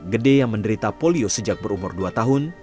gede yang menderita polio sejak berumur dua tahun